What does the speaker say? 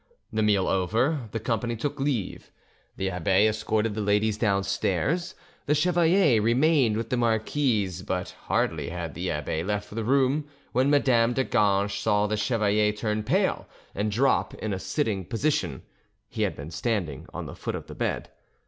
The meal over, the company took leave. The abbe escorted the ladies downstairs; the chevalier remained with the marquise; but hardly had the abbe left the room when Madame de Ganges saw the chevalier turn pale and drop in a sitting position—he had been standing on the foot of the bed.